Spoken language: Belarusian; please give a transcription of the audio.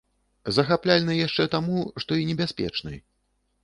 Захапляльны яшчэ таму, што і небяспечны.